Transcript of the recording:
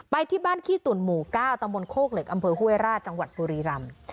ไปที่บ้านขี้ตุ่นหมู่๙ตำบลโคกเหล็กอำเภอห้วยราชจังหวัดบุรีรำ